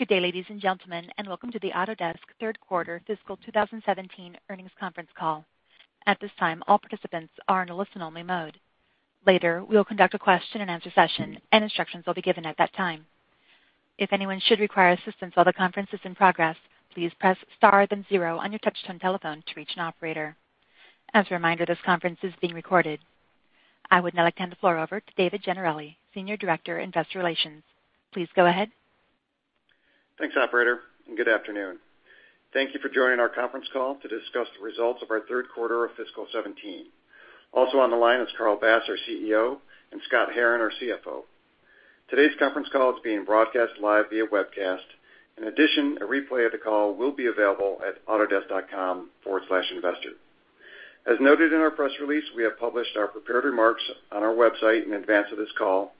Good day, ladies and gentlemen, and welcome to the Autodesk third quarter fiscal 2017 earnings conference call. At this time, all participants are in a listen-only mode. Later, we will conduct a question-and-answer session. Instructions will be given at that time. If anyone should require assistance while the conference is in progress, please press Star then zero on your touch-tone telephone to reach an operator. As a reminder, this conference is being recorded. I would now like to hand the floor over to David Gennarelli, Senior Director, Investor Relations. Please go ahead. Thanks, operator, and good afternoon. Thank you for joining our conference call to discuss the results of our third quarter of fiscal 2017. Also on the line is Carl Bass, our CEO, and Scott Herren, our CFO. Today's conference call is being broadcast live via webcast. In addition, a replay of the call will be available at autodesk.com/investor. As noted in our press release, we have published our prepared remarks on our website in advance of this call.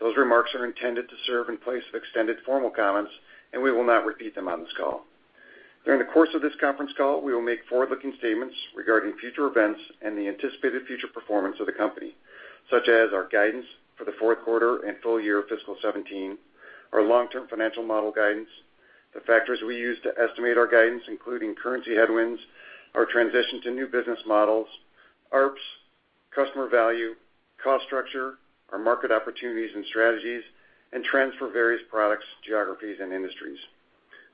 Those remarks are intended to serve in place of extended formal comments. We will not repeat them on this call. During the course of this conference call, we will make forward-looking statements regarding future events and the anticipated future performance of the company, such as our guidance for the fourth quarter and full year fiscal 2017, our long-term financial model guidance, the factors we use to estimate our guidance, including currency headwinds, our transition to new business models, ARPS, customer value, cost structure, our market opportunities and strategies, and trends for various products, geographies, and industries.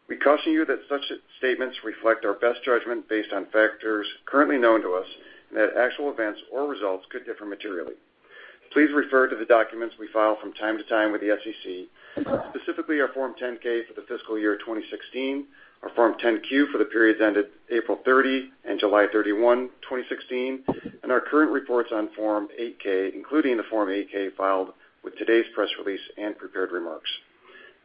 We caution you that such statements reflect our best judgment based on factors currently known to us, and that actual events or results could differ materially. Please refer to the documents we file from time to time with the SEC, specifically our Form 10-K for the fiscal year 2016, our Form 10-Q for the periods ended April 30 and July 31, 2016, and our current reports on Form 8-K, including the Form 8-K filed with today's press release and prepared remarks.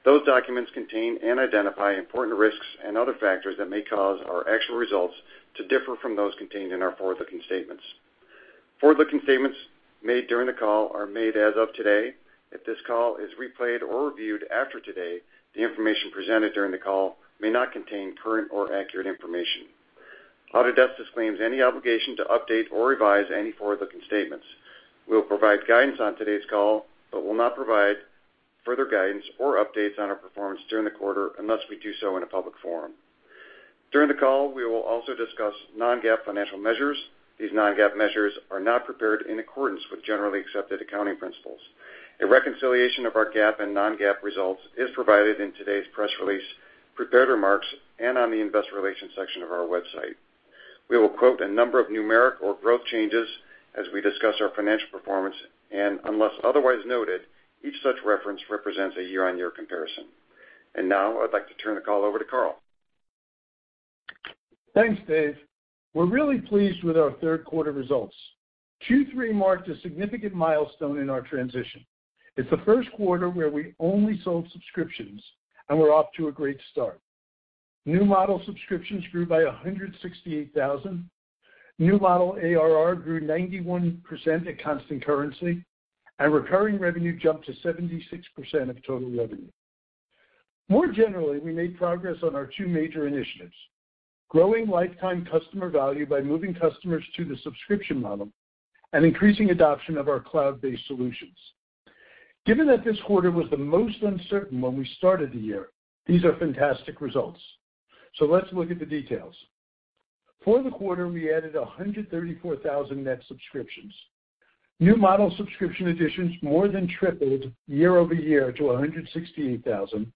Those documents contain and identify important risks and other factors that may cause our actual results to differ from those contained in our forward-looking statements. Forward-looking statements made during the call are made as of today. If this call is replayed or reviewed after today, the information presented during the call may not contain current or accurate information. Autodesk disclaims any obligation to update or revise any forward-looking statements. We will provide guidance on today's call, will not provide further guidance or updates on our performance during the quarter unless we do so in a public forum. During the call, we will also discuss non-GAAP financial measures. These non-GAAP measures are not prepared in accordance with generally accepted accounting principles. A reconciliation of our GAAP and non-GAAP results is provided in today's press release, prepared remarks, and on the investor relations section of our website. We will quote a number of numeric or growth changes as we discuss our financial performance, unless otherwise noted, each such reference represents a year-on-year comparison. Now, I'd like to turn the call over to Carl. Thanks, Dave. We're really pleased with our third quarter results. Q3 marked a significant milestone in our transition. It's the first quarter where we only sold subscriptions, and we're off to a great start. New model subscriptions grew by 168,000, new model ARR grew 91% at constant currency, and recurring revenue jumped to 76% of total revenue. More generally, we made progress on our two major initiatives, growing lifetime customer value by moving customers to the subscription model and increasing adoption of our cloud-based solutions. Given that this quarter was the most uncertain when we started the year, these are fantastic results. Let's look at the details. For the quarter, we added 134,000 net subscriptions. New model subscription additions more than tripled year-over-year to 168,000,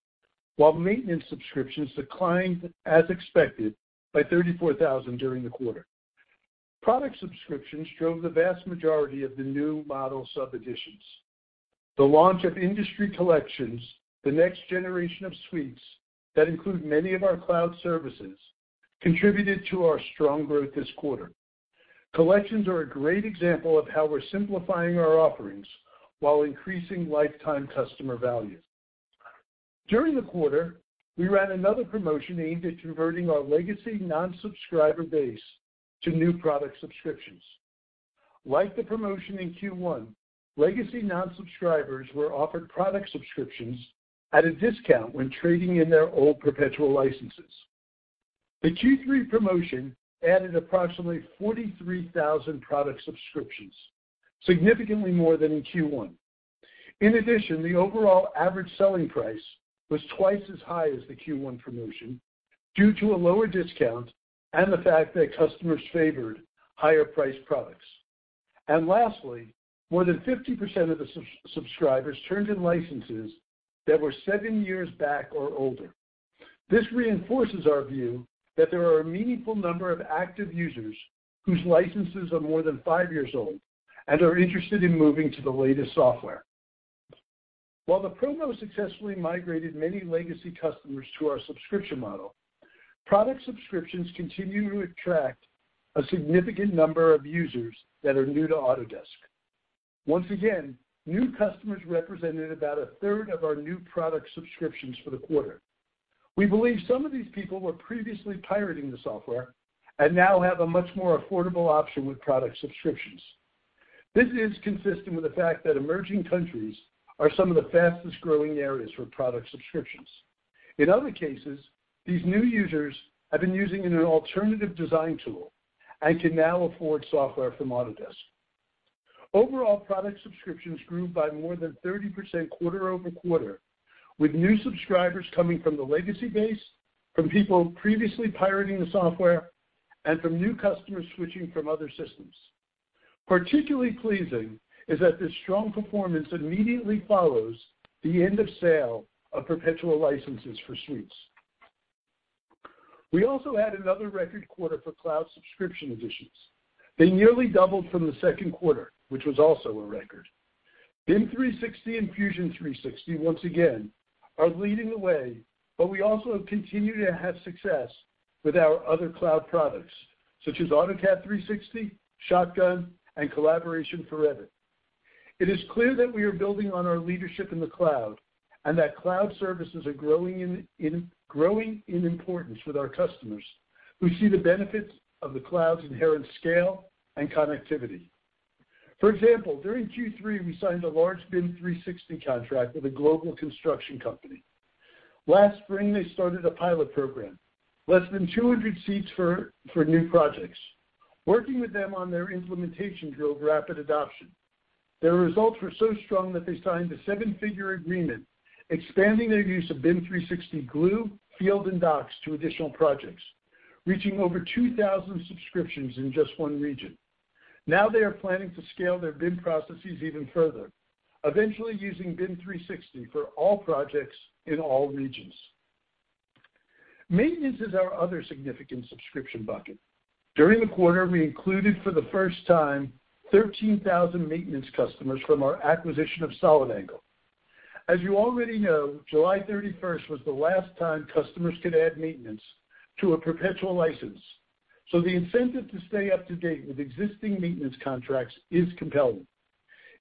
while maintenance subscriptions declined as expected by 34,000 during the quarter. Product subscriptions drove the vast majority of the new model sub additions. The launch of Industry Collections, the next generation of suites that include many of our cloud services, contributed to our strong growth this quarter. Collections are a great example of how we're simplifying our offerings while increasing lifetime customer value. During the quarter, we ran another promotion aimed at converting our legacy non-subscriber base to new product subscriptions. Like the promotion in Q1, legacy non-subscribers were offered product subscriptions at a discount when trading in their old perpetual licenses. The Q3 promotion added approximately 43,000 product subscriptions, significantly more than in Q1. In addition, the overall average selling price was twice as high as the Q1 promotion due to a lower discount and the fact that customers favored higher priced products. Lastly, more than 50% of the subscribers turned in licenses that were seven years back or older. This reinforces our view that there are a meaningful number of active users whose licenses are more than five years old and are interested in moving to the latest software. While the promo successfully migrated many legacy customers to our subscription model, product subscriptions continue to attract a significant number of users that are new to Autodesk. Once again, new customers represented about a third of our new product subscriptions for the quarter. We believe some of these people were previously pirating the software and now have a much more affordable option with product subscriptions. This is consistent with the fact that emerging countries are some of the fastest-growing areas for product subscriptions. In other cases, these new users have been using an alternative design tool and can now afford software from Autodesk. Overall product subscriptions grew by more than 30% quarter-over-quarter, with new subscribers coming from the legacy base, from people previously pirating the software, and from new customers switching from other systems. Particularly pleasing is that this strong performance immediately follows the end of sale of perpetual licenses for suites. We also had another record quarter for cloud subscription additions. They nearly doubled from the second quarter, which was also a record. BIM 360 and Fusion 360, once again, are leading the way, but we also have continued to have success with our other cloud products, such as AutoCAD 360, Shotgun, and Collaboration for Revit. It is clear that we are building on our leadership in the cloud, and that cloud services are growing in importance with our customers who see the benefits of the cloud's inherent scale and connectivity. For example, during Q3, we signed a large BIM 360 contract with a global construction company. Last spring, they started a pilot program, less than 200 seats for new projects. Working with them on their implementation drove rapid adoption. Their results were so strong that they signed a seven-figure agreement expanding their use of BIM 360 Glue, Field, and Docs to additional projects, reaching over 2,000 subscriptions in just one region. They are planning to scale their BIM processes even further, eventually using BIM 360 for all projects in all regions. Maintenance is our other significant subscription bucket. During the quarter, we included for the first time 13,000 maintenance customers from our acquisition of Solid Angle. As you already know, July 31st was the last time customers could add maintenance to a perpetual license, so the incentive to stay up to date with existing maintenance contracts is compelling.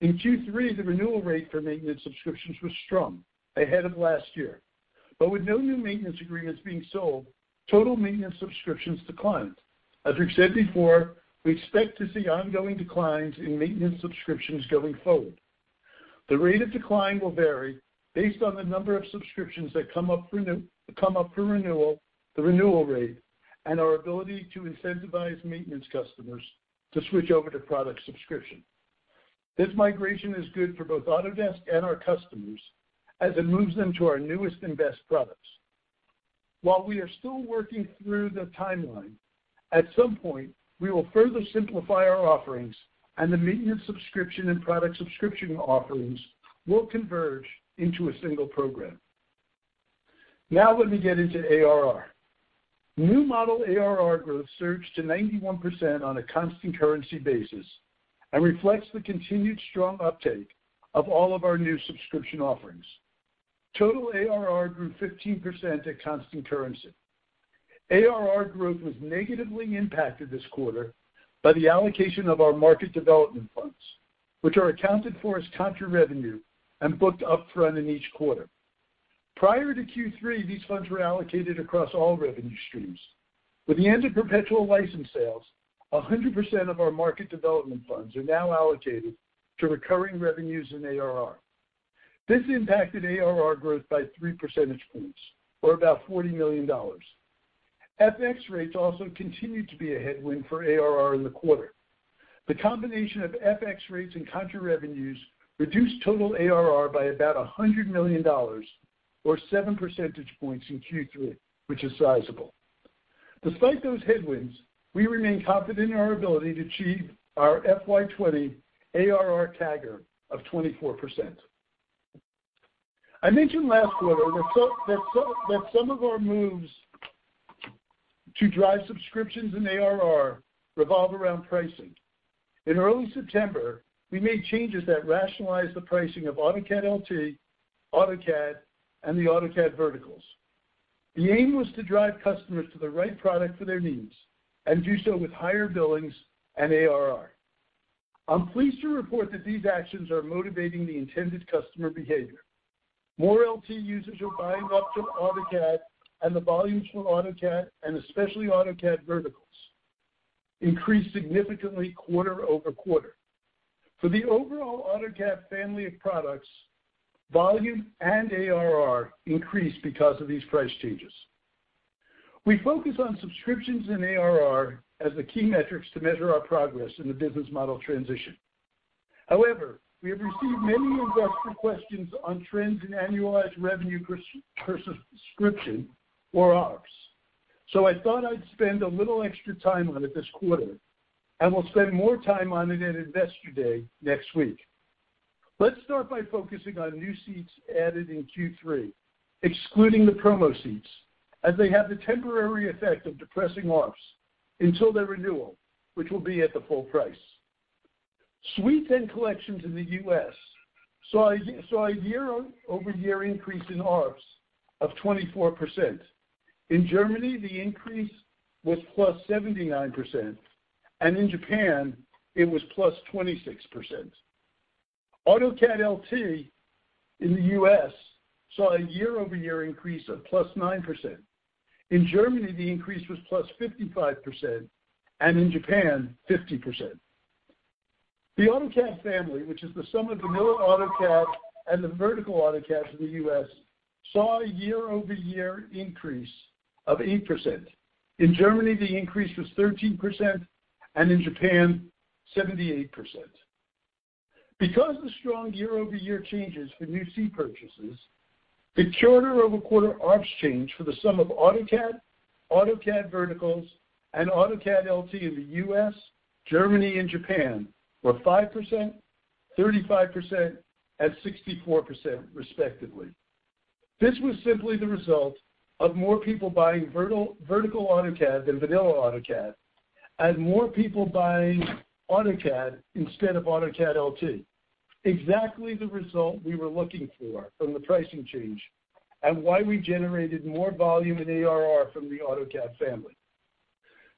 In Q3, the renewal rate for maintenance subscriptions was strong, ahead of last year. With no new maintenance agreements being sold, total maintenance subscriptions declined. As we've said before, we expect to see ongoing declines in maintenance subscriptions going forward. The rate of decline will vary based on the number of subscriptions that come up for renewal, the renewal rate, and our ability to incentivize maintenance customers to switch over to product subscription. This migration is good for both Autodesk and our customers as it moves them to our newest and best products. While we are still working through the timeline, at some point, we will further simplify our offerings and the maintenance subscription and product subscription offerings will converge into a single program. Let me get into ARR. New model ARR growth surged to 91% on a constant currency basis and reflects the continued strong uptake of all of our new subscription offerings. Total ARR grew 15% at constant currency. ARR growth was negatively impacted this quarter by the allocation of our market development funds, which are accounted for as contra revenue and booked upfront in each quarter. Prior to Q3, these funds were allocated across all revenue streams. With the end of perpetual license sales, 100% of our market development funds are now allocated to recurring revenues in ARR. This impacted ARR growth by three percentage points, or about $40 million. FX rates also continued to be a headwind for ARR in the quarter. The combination of FX rates and contra revenues reduced total ARR by about $100 million or seven percentage points in Q3, which is sizable. Despite those headwinds, we remain confident in our ability to achieve our FY 2020 ARR CAGR of 24%. I mentioned last quarter that some of our moves to drive subscriptions and ARR revolve around pricing. In early September, we made changes that rationalize the pricing of AutoCAD LT, AutoCAD, and the AutoCAD verticals. The aim was to drive customers to the right product for their needs and do so with higher billings and ARR. I'm pleased to report that these actions are motivating the intended customer behavior. More LT users are buying up to AutoCAD and the volumes for AutoCAD, and especially AutoCAD verticals, increased significantly quarter-over-quarter. For the overall AutoCAD family of products, volume and ARR increased because of these price changes. We focus on subscriptions and ARR as the key metrics to measure our progress in the business model transition. However, we have received many investor questions on trends in annualized revenue per subscription or ARPS. I thought I'd spend a little extra time on it this quarter, and we'll spend more time on it at Investor Day next week. Let's start by focusing on new seats added in Q3, excluding the promo seats, as they have the temporary effect of depressing ARPS until their renewal, which will be at the full price. Suites and collections in the U.S. saw a year-over-year increase in ARPS of 24%. In Germany, the increase was +79%, and in Japan, it was +26%. AutoCAD LT in the U.S. saw a year-over-year increase of +9%. In Germany, the increase was +55%, and in Japan, 50%. The AutoCAD family, which is the sum of vanilla AutoCAD and the vertical AutoCADs in the U.S., saw a year-over-year increase of 8%. In Germany, the increase was 13%, and in Japan, 78%. Because of the strong year-over-year changes for new seat purchases, the quarter-over-quarter ARPS change for the sum of AutoCAD Verticals, and AutoCAD LT in the U.S., Germany, and Japan were 5%, 35%, and 64% respectively. This was simply the result of more people buying vertical AutoCAD than vanilla AutoCAD, and more people buying AutoCAD instead of AutoCAD LT. Exactly the result we were looking for from the pricing change, and why we generated more volume in ARR from the AutoCAD family.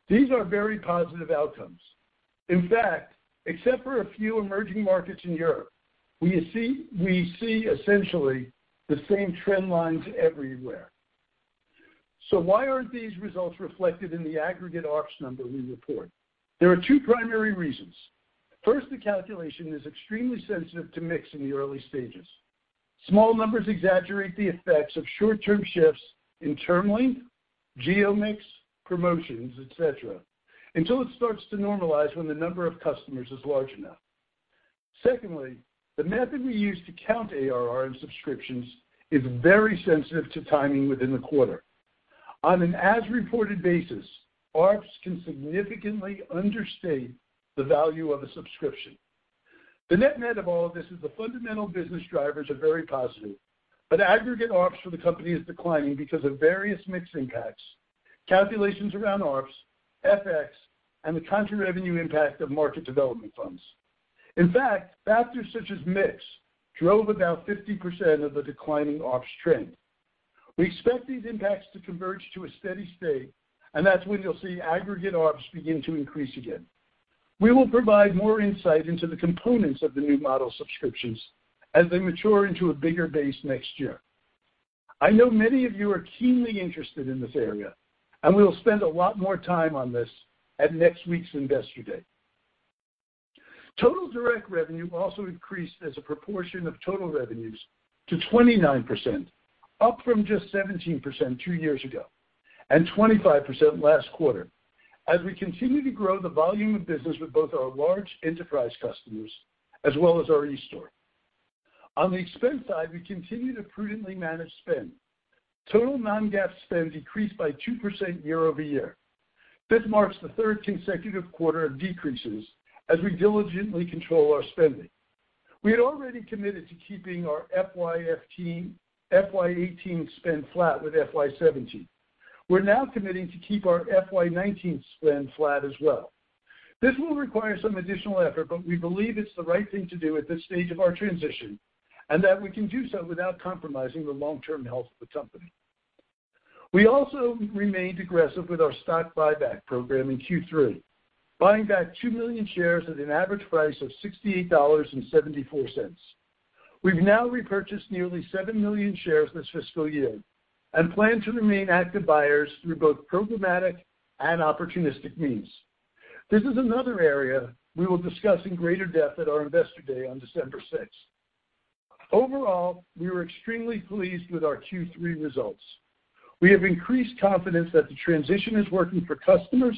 These are very positive outcomes. In fact, except for a few emerging markets in Europe, we see essentially the same trend lines everywhere. Why aren't these results reflected in the aggregate ARPS number we report? There are two primary reasons. First, the calculation is extremely sensitive to mix in the early stages. Small numbers exaggerate the effects of short-term shifts in term length, geo mix, promotions, et cetera, until it starts to normalize when the number of customers is large enough. Secondly, the method we use to count ARR in subscriptions is very sensitive to timing within the quarter. On an as-reported basis, ARPS can significantly understate the value of a subscription. The net-net of all of this is the fundamental business drivers are very positive, but aggregate ARPS for the company is declining because of various mix impacts, calculations around ARPS, FX, and the contra-revenue impact of market development funds. In fact, factors such as mix drove about 50% of the declining ARPS trend. We expect these impacts to converge to a steady state. That's when you'll see aggregate ARPS begin to increase again. We will provide more insight into the components of the new model subscriptions as they mature into a bigger base next year. I know many of you are keenly interested in this area. We will spend a lot more time on this at next week's Investor Day. Total direct revenue increased as a proportion of total revenues to 29%, up from just 17% two years ago, and 25% last quarter. We continue to grow the volume of business with both our large enterprise customers as well as our eStore. On the expense side, we continue to prudently manage spend. Total non-GAAP spend decreased by 2% year-over-year. This marks the third consecutive quarter of decreases as we diligently control our spending. We had already committed to keeping our FY 2018 spend flat with FY 2017. We're now committing to keep our FY 2019 spend flat as well. This will require some additional effort. We believe it's the right thing to do at this stage of our transition, and that we can do so without compromising the long-term health of the company. We remained aggressive with our stock buyback program in Q3, buying back 2 million shares at an average price of $68.74. We've now repurchased nearly 7 million shares this fiscal year and plan to remain active buyers through both programmatic and opportunistic means. This is another area we will discuss in greater depth at our Investor Day on December 6th. We were extremely pleased with our Q3 results. We have increased confidence that the transition is working for customers,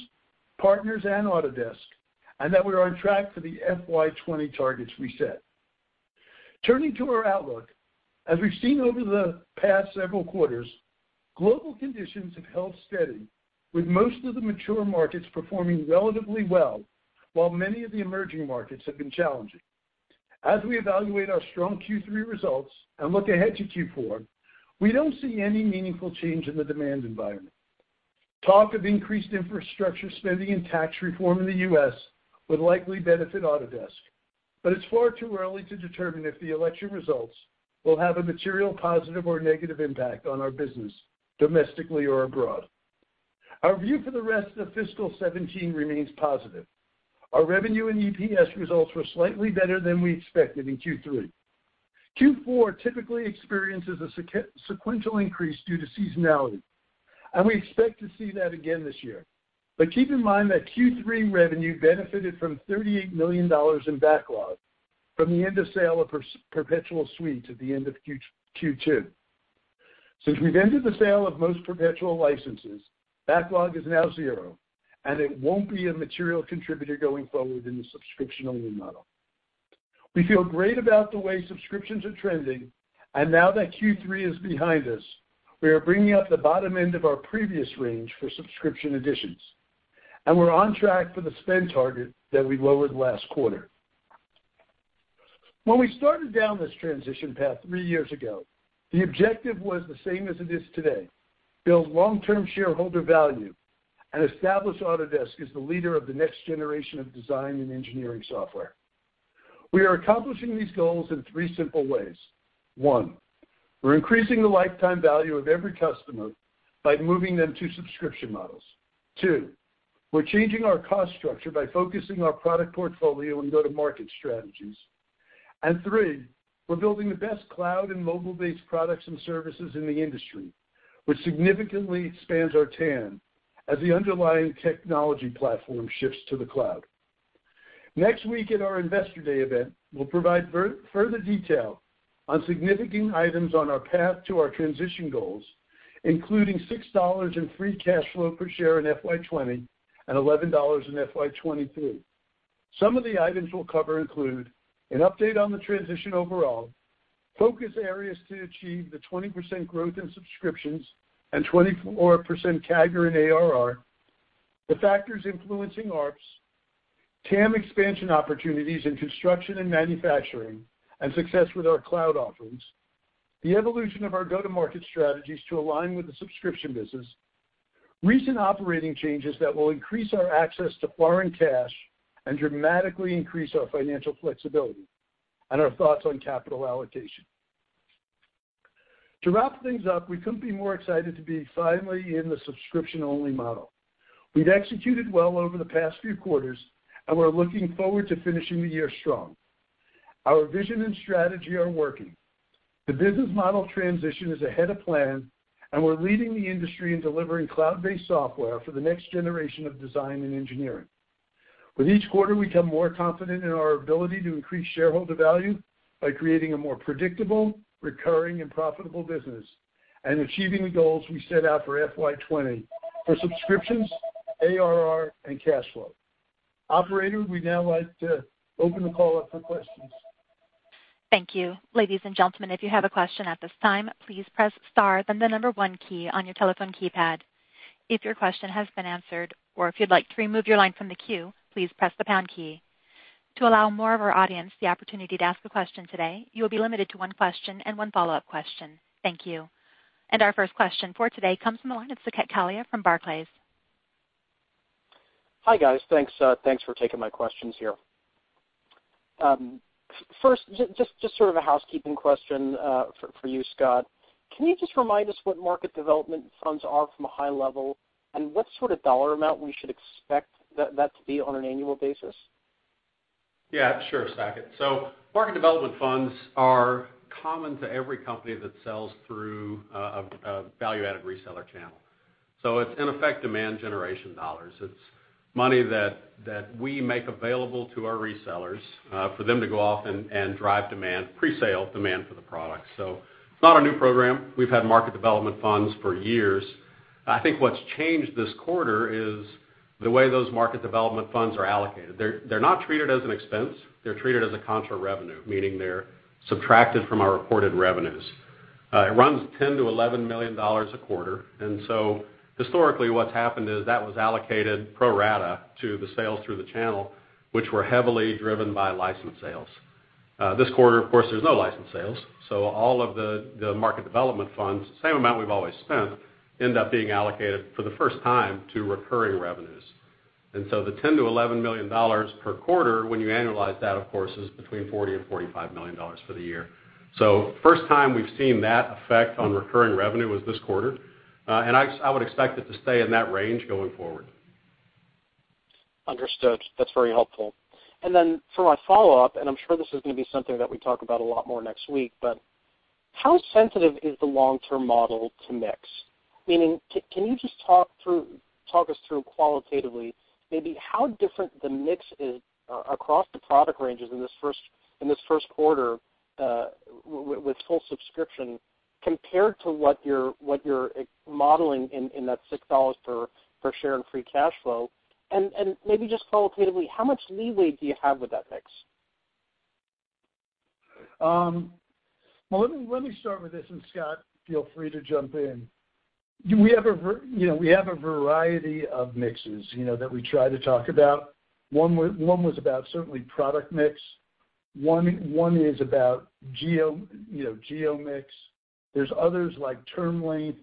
partners, and Autodesk. We're on track for the FY 2020 targets we set. Turning to our outlook. We've seen over the past several quarters, global conditions have held steady, with most of the mature markets performing relatively well while many of the emerging markets have been challenging. We evaluate our strong Q3 results and look ahead to Q4. We don't see any meaningful change in the demand environment. Talk of increased infrastructure spending and tax reform in the U.S. would likely benefit Autodesk. It's far too early to determine if the election results will have a material positive or negative impact on our business, domestically or abroad. Our view for the rest of fiscal 2017 remains positive. Our revenue and EPS results were slightly better than we expected in Q3. Q4 typically experiences a sequential increase due to seasonality. We expect to see that again this year. Keep in mind that Q3 revenue benefited from $38 million in backlog from the end-of-sale of perpetual suites at the end of Q2. Since we've ended the sale of most perpetual licenses, backlog is now zero. It won't be a material contributor going forward in the subscription-only model. We feel great about the way subscriptions are trending. Now that Q3 is behind us, we are bringing up the bottom end of our previous range for subscription additions. We're on track for the spend target that we lowered last quarter. When we started down this transition path three years ago, the objective was the same as it is today: build long-term shareholder value and establish Autodesk as the leader of the next generation of design and engineering software. We are accomplishing these goals in three simple ways. One, we're increasing the lifetime value of every customer by moving them to subscription models. Two, we're changing our cost structure by focusing our product portfolio and go-to-market strategies. Three, we're building the best cloud and mobile-based products and services in the industry, which significantly expands our TAM as the underlying technology platform shifts to the cloud. Next week at our Investor Day event, we'll provide further detail on significant items on our path to our transition goals, including $6 in free cash flow per share in FY 2020 and $11 in FY 2023. Some of the items we'll cover include an update on the transition overall, focus areas to achieve the 20% growth in subscriptions and 24% CAGR in ARR, the factors influencing ARPS, TAM expansion opportunities in construction and manufacturing, and success with our cloud offerings. The evolution of our go-to-market strategies to align with the subscription business, recent operating changes that will increase our access to foreign cash and dramatically increase our financial flexibility, and our thoughts on capital allocation. To wrap things up, we couldn't be more excited to be finally in the subscription-only model. We've executed well over the past few quarters, and we're looking forward to finishing the year strong. Our vision and strategy are working. The business model transition is ahead of plan, and we're leading the industry in delivering cloud-based software for the next generation of design and engineering. With each quarter, we become more confident in our ability to increase shareholder value by creating a more predictable, recurring, and profitable business, and achieving the goals we set out for FY 2020 for subscriptions, ARR, and cash flow. Operator, we'd now like to open the call up for questions. Thank you. Ladies and gentlemen, if you have a question at this time, please press star then the number 1 key on your telephone keypad. If your question has been answered, or if you'd like to remove your line from the queue, please press the pound key. To allow more of our audience the opportunity to ask a question today, you'll be limited to 1 question and 1 follow-up question. Thank you. Our first question for today comes from the line of Saket Kalia from Barclays. Hi, guys. Thanks for taking my questions here. First, just sort of a housekeeping question for you, Scott. Can you just remind us what market development funds are from a high level, and what sort of dollar amount we should expect that to be on an annual basis? Yes, sure, Saket. Market development funds are common to every company that sells through a value-added reseller channel. It's in effect demand generation dollars. It's money that we make available to our resellers for them to go off and drive demand, pre-sale demand for the product. It's not a new program. We've had market development funds for years. I think what's changed this quarter is the way those market development funds are allocated. They're not treated as an expense. They're treated as a contra revenue, meaning they're subtracted from our reported revenues. It runs $10 million-$11 million a quarter. Historically what's happened is that was allocated pro rata to the sales through the channel, which were heavily driven by license sales. This quarter, of course, there's no license sales, all of the market development funds, same amount we've always spent, end up being allocated for the first time to recurring revenues. The $10 million-$11 million per quarter, when you annualize that, of course, is between $40 million and $45 million for the year. First time we've seen that effect on recurring revenue was this quarter. I would expect it to stay in that range going forward. Understood. That's very helpful. For my follow-up, I'm sure this is going to be something that we talk about a lot more next week, how sensitive is the long-term model to mix? Meaning, can you just talk us through qualitatively maybe how different the mix is across the product ranges in this first quarter with full subscription, compared to what you're modeling in that $6 per share in free cash flow? Maybe just qualitatively, how much leeway do you have with that mix? Well, let me start with this, Scott, feel free to jump in. We have a variety of mixes that we try to talk about. One was about certainly product mix. One is about geo mix. There's others like term length.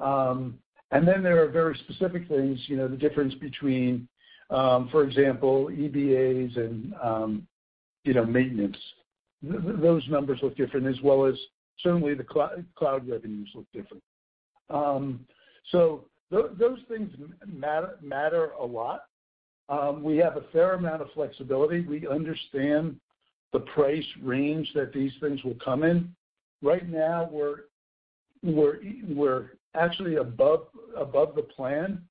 There are very specific things, the difference between, for example, EBAs and maintenance. Those numbers look different as well as certainly the cloud revenues look different. Those things matter a lot. We have a fair amount of flexibility. We understand the price range that these things will come in. Right now, we're actually above the plan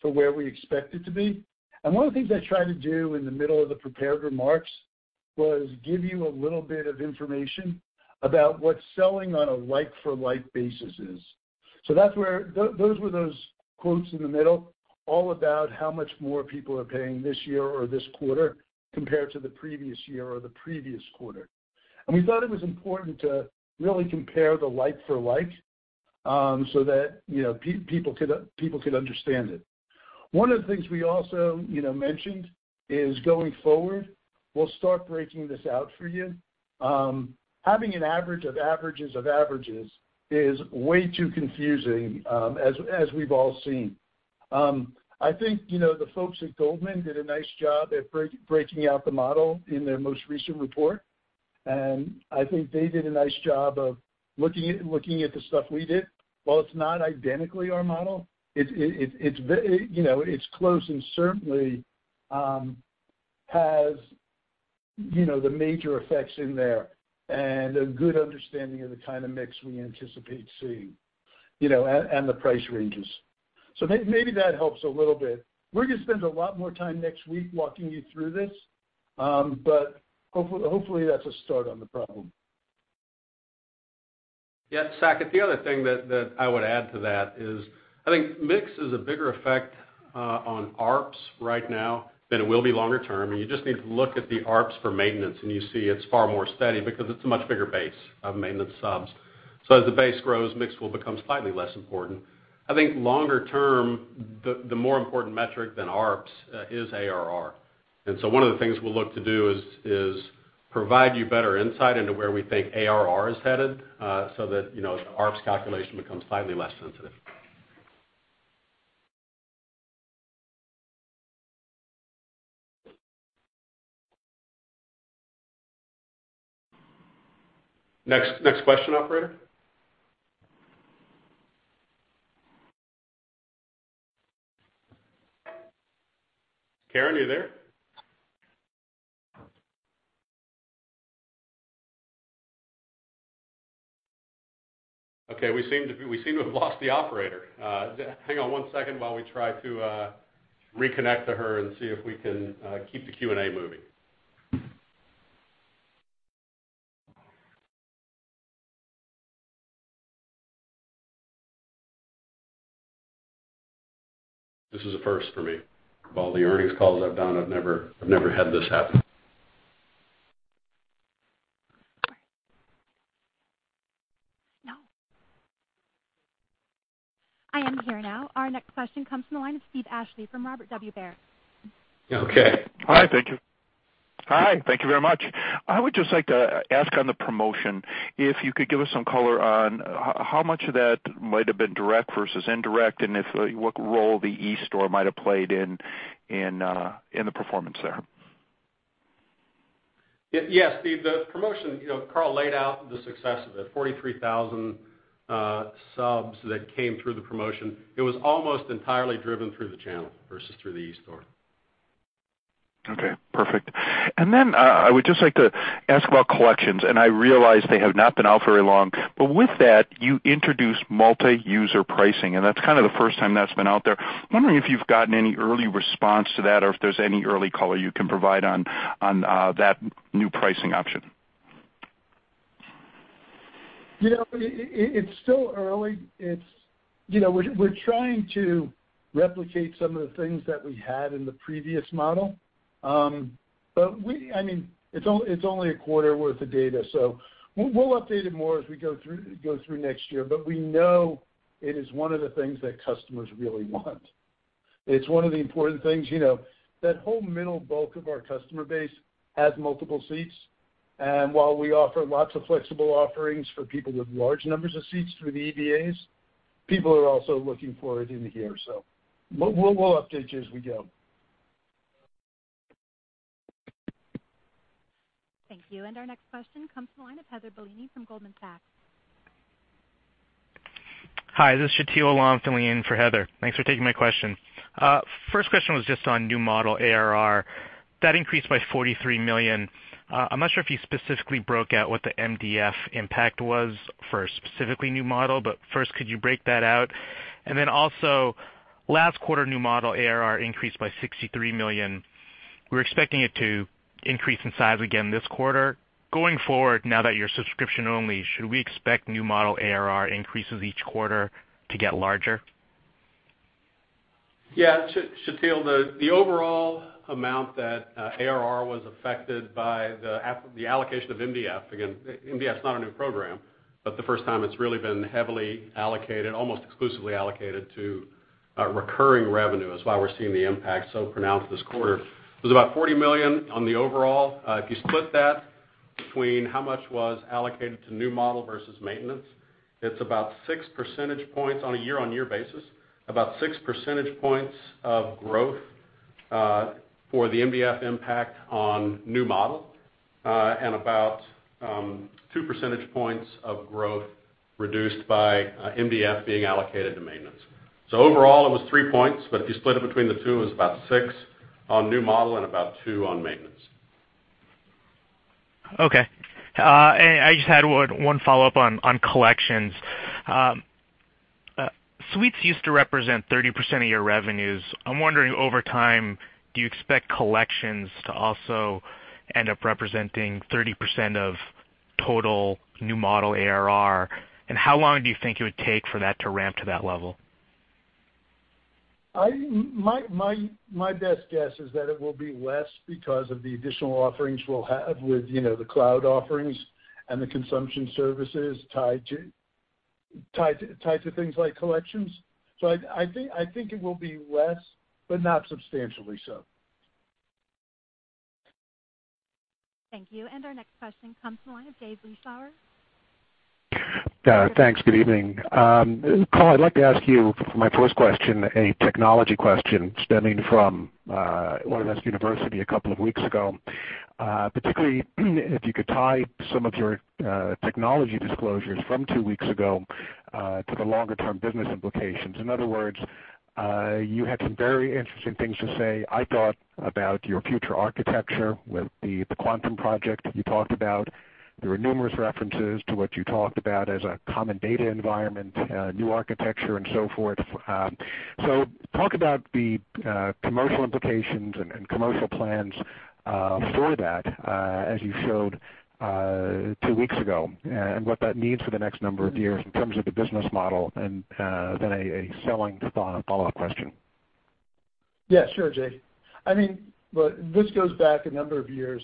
for where we expect it to be. One of the things I tried to do in the middle of the prepared remarks was give you a little bit of information about what selling on a like-for-like basis is. Those were those quotes in the middle, all about how much more people are paying this year or this quarter compared to the previous year or the previous quarter. We thought it was important to really compare the like for like, so that people could understand it. One of the things we also mentioned is going forward, we'll start breaking this out for you. Having an average of averages of averages is way too confusing, as we've all seen. I think the folks at Goldman did a nice job at breaking out the model in their most recent report. I think they did a nice job of looking at the stuff we did. While it's not identically our model, it's close and certainly has the major effects in there and a good understanding of the kind of mix we anticipate seeing, and the price ranges. Maybe that helps a little bit. We're going to spend a lot more time next week walking you through this, but hopefully that's a start on the problem. Yes, Saket, the other thing that I would add to that is, I think mix is a bigger effect on ARPS right now than it will be longer term. You just need to look at the ARPS for maintenance, and you see it's far more steady because it's a much bigger base of maintenance subs. As the base grows, mix will become slightly less important. I think longer term, the more important metric than ARPS is ARR. One of the things we'll look to do is provide you better insight into where we think ARR is headed, so that the ARPS calculation becomes slightly less sensitive. Next question, operator. Karen, are you there? Okay, we seem to have lost the operator. Hang on one second while we try to reconnect to her and see if we can keep the Q&A moving. This is a first for me. Of all the earnings calls I've done, I've never had this happen. Sorry. No. I am here now. Our next question comes from the line of Steve Ashley from Robert W. Baird. Okay. Hi, thank you. Hi, thank you very much. I would just like to ask on the promotion, if you could give us some color on how much of that might have been direct versus indirect, and what role the eStore might have played in the performance there. Yes, Steve, the promotion, Carl laid out the success of it, 43,000 subs that came through the promotion. It was almost entirely driven through the channel versus through the eStore. Okay, perfect. I would just like to ask about collections, and I realize they have not been out very long, but with that, you introduced multi-user pricing, and that's kind of the first time that's been out there. I'm wondering if you've gotten any early response to that, or if there's any early color you can provide on that new pricing option. It's still early. We're trying to replicate some of the things that we had in the previous model. It's only a quarter worth of data, we'll update it more as we go through next year. We know it is one of the things that customers really want. It's one of the important things. That whole middle bulk of our customer base has multiple seats, and while we offer lots of flexible offerings for people with large numbers of seats through the EBAs, people are also looking for it in here. We'll update you as we go. Thank you. Our next question comes from the line of Heather Bellini from Goldman Sachs. Hi, this is Sheetal filling in for Heather. Thanks for taking my question. First question was just on new model ARR. That increased by $43 million. I'm not sure if you specifically broke out what the MDF impact was for a specifically new model, first, could you break that out? Also, last quarter, new model ARR increased by $63 million. We're expecting it to increase in size again this quarter. Going forward, now that you're subscription only, should we expect new model ARR increases each quarter to get larger? Yeah, Sheetal, the overall amount that ARR was affected by the allocation of MDF. Again, MDF is not a new program, the first time it's really been heavily allocated, almost exclusively allocated to recurring revenue is why we're seeing the impact so pronounced this quarter. It was about $40 million on the overall. If you split that between how much was allocated to new model versus maintenance, it's about six percentage points on a year-on-year basis, about six percentage points of growth for the MDF impact on new model, and about two percentage points of growth reduced by MDF being allocated to maintenance. Overall, it was three points, if you split it between the two, it was about six on new model and about two on maintenance. Okay. I just had one follow-up on Industry Collections. Suites used to represent 30% of your revenues. I'm wondering, over time, do you expect Industry Collections to also end up representing 30% of total new model ARR? How long do you think it would take for that to ramp to that level? My best guess is that it will be less because of the additional offerings we'll have with the cloud offerings and the consumption services tied to things like Industry Collections. I think it will be less, but not substantially so. Thank you. Our next question comes from the line of Jay Vleeschhouwer. Thanks. Good evening. Carl, I'd like to ask you my first question, a technology question stemming from Autodesk University a couple of weeks ago. Particularly if you could tie some of your technology disclosures from two weeks ago to the longer-term business implications. In other words, you had some very interesting things to say, I thought, about your future architecture with the Quantum Project you talked about. There were numerous references to what you talked about as a common data environment, new architecture, and so forth. Talk about the commercial implications and commercial plans for that as you showed two weeks ago, and what that means for the next number of years in terms of the business model, and then a selling follow-up question. Yeah, sure, Jay. This goes back a number of years.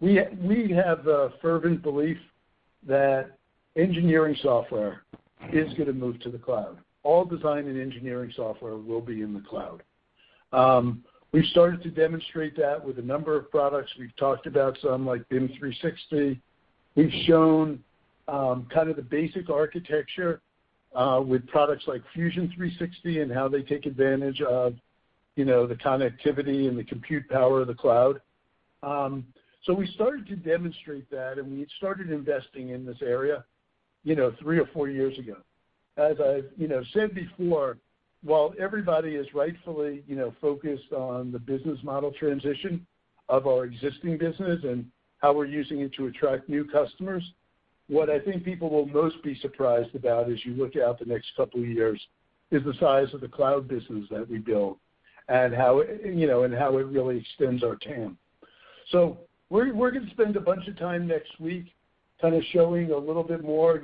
We have a fervent belief that engineering software is going to move to the cloud. All design and engineering software will be in the cloud. We started to demonstrate that with a number of products. We've talked about some, like BIM 360. We've shown the basic architecture with products like Fusion 360 and how they take advantage of the connectivity and the compute power of the cloud. We started to demonstrate that, and we started investing in this area three or four years ago. As I've said before, while everybody is rightfully focused on the business model transition of our existing business and how we're using it to attract new customers, what I think people will most be surprised about as you look out the next couple of years is the size of the cloud business that we built and how it really extends our TAM. We're going to spend a bunch of time next week showing a little bit more.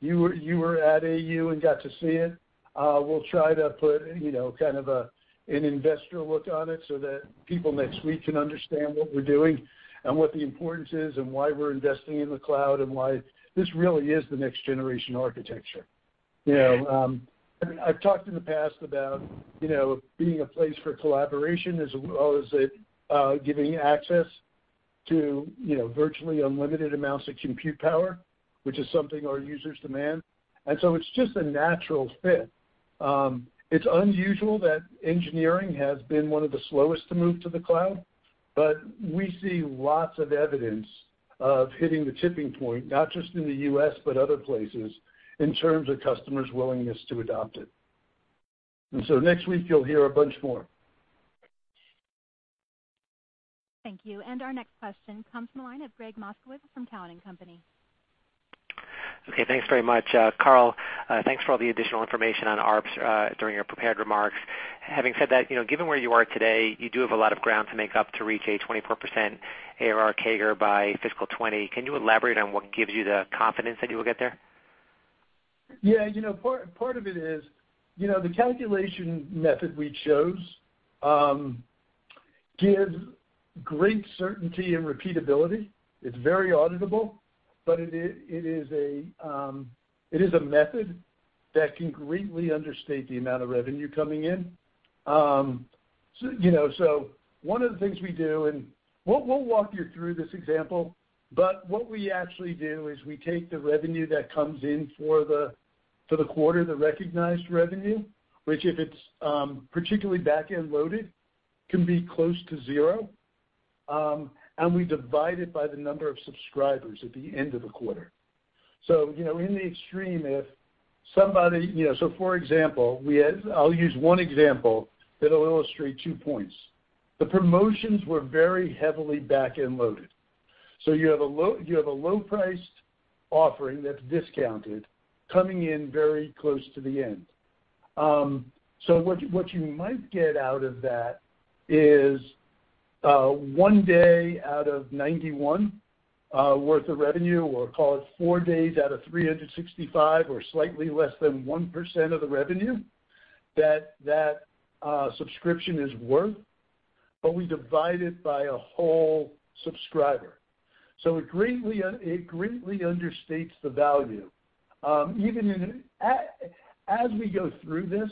You were at AU and got to see it. We'll try to put an investor look on it so that people next week can understand what we're doing and what the importance is and why we're investing in the cloud and why this really is the next-generation architecture. I've talked in the past about it being a place for collaboration as well as it giving you access to virtually unlimited amounts of compute power, which is something our users demand. It's just a natural fit. It's unusual that engineering has been one of the slowest to move to the cloud, but we see lots of evidence of hitting the tipping point, not just in the U.S., but other places, in terms of customers' willingness to adopt it. Next week you'll hear a bunch more. Thank you. Our next question comes from the line of Gregg Moskowitz from Cowen and Company. Okay, thanks very much. Carl, thanks for all the additional information on ARPS during your prepared remarks. Having said that, given where you are today, you do have a lot of ground to make up to reach a 24% ARR CAGR by fiscal 2020. Can you elaborate on what gives you the confidence that you will get there? Yeah. Part of it is the calculation method we chose gives great certainty and repeatability. It's very auditable, but it is a method that can greatly understate the amount of revenue coming in. One of the things we do, and we'll walk you through this example, but what we actually do is we take the revenue that comes in for the quarter, the recognized revenue, which if it's particularly back-end loaded, can be close to zero. We divide it by the number of subscribers at the end of the quarter. In the extreme, I'll use one example that'll illustrate two points. The promotions were very heavily back-end loaded. You have a low-priced offering that's discounted coming in very close to the end. What you might get out of that is one day out of 91 worth of revenue, or call it four days out of 365, or slightly less than 1% of the revenue that that subscription is worth, we divide it by a whole subscriber. It greatly understates the value. As we go through this,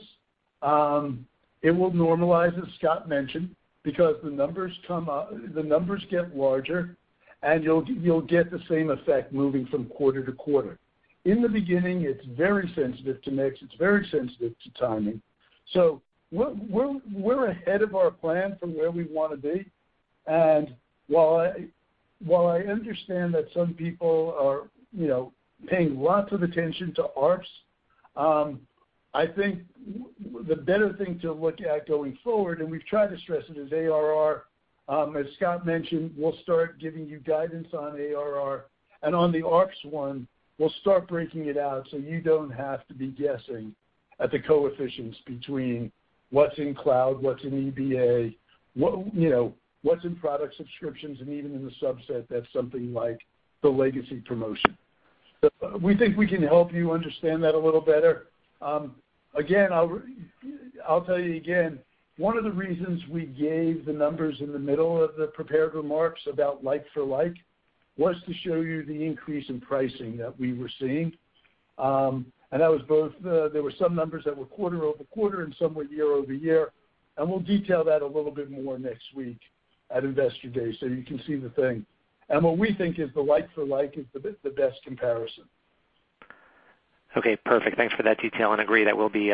it will normalize, as Scott mentioned, because the numbers get larger, and you'll get the same effect moving from quarter to quarter. In the beginning, it's very sensitive to mix. It's very sensitive to timing. We're ahead of our plan from where we want to be. While I understand that some people are paying lots of attention to ARPS, I think the better thing to look at going forward, and we've tried to stress it, is ARR. As Scott mentioned, we'll start giving you guidance on ARR. On the ARPS one, we'll start breaking it out so you don't have to be guessing at the coefficients between what's in cloud, what's in EBA, what's in product subscriptions, and even in the subset that's something like the legacy promotion. We think we can help you understand that a little better. I'll tell you again, one of the reasons we gave the numbers in the middle of the prepared remarks about like for like was to show you the increase in pricing that we were seeing. There were some numbers that were quarter-over-quarter and some were year-over-year, and we'll detail that a little bit more next week at Investor Day so you can see the thing. What we think is the like for like is the best comparison. Okay, perfect. Thanks for that detail, and agree that will be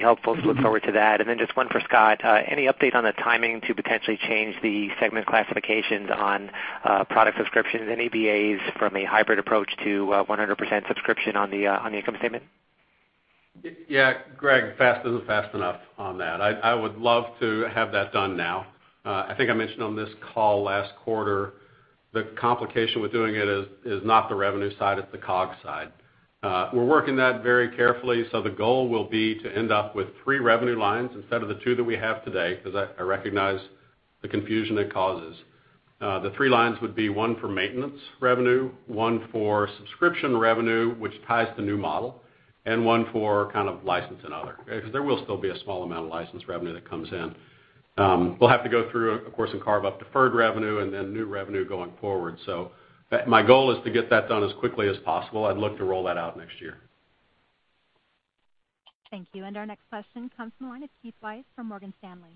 helpful, so look forward to that. Just one for Scott. Any update on the timing to potentially change the segment classifications on product subscriptions and EBAs from a hybrid approach to 100% subscription on the income statement? Yeah, Greg, fast isn't fast enough on that. I would love to have that done now. I think I mentioned on this call last quarter, the complication with doing it is not the revenue side, it's the COGS side. We're working that very carefully, so the goal will be to end up with three revenue lines instead of the two that we have today, because I recognize the confusion it causes. The three lines would be one for maintenance revenue, one for subscription revenue, which ties to new model, and one for license and other, because there will still be a small amount of license revenue that comes in. We'll have to go through, of course, and carve up deferred revenue and then new revenue going forward. My goal is to get that done as quickly as possible. I'd look to roll that out next year. Thank you. Our next question comes from the line of Keith Weiss from Morgan Stanley.